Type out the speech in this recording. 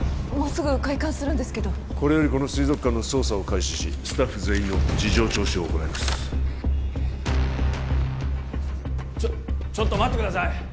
もうすぐ開館するんですけどこれよりこの水族館の捜査を開始しスタッフ全員の事情聴取を行いますちょちょっと待ってください